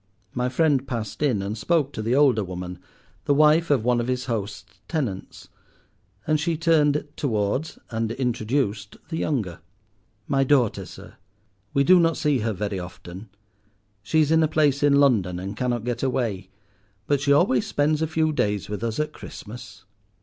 My friend passed in and spoke to the older woman, the wife of one of his host's tenants, and she turned towards, and introduced the younger—"My daughter, sir. We do not see her very often. She is in a place in London, and cannot get away. But she always spends a few days with us at Christmas."